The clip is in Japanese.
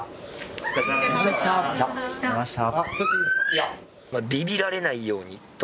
お疲れさまでした。